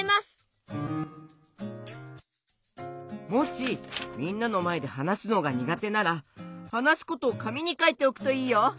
もしみんなのまえではなすのがにがてならはなすことをかみにかいておくといいよ！